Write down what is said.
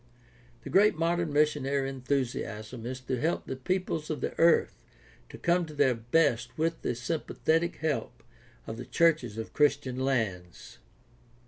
The great modern missionary enthusiasm is to help the peoples of the earth to come to their best with the sympathetic help of the churches of Christian lands.